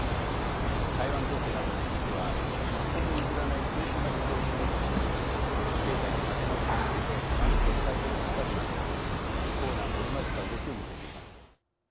台湾情勢などを巡っては一歩も譲らない強硬な姿勢を示す一方経済の立て直しに向けて関係改善を図るなど硬軟織り交ぜた動きを見せています。